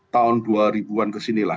tahun dua ribu an kesini lah